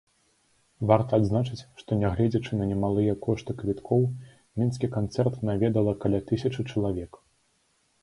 Варта адзначыць, што нягледзячы на немалыя кошты квіткоў, мінскі канцэрт наведала каля тысячы чалавек.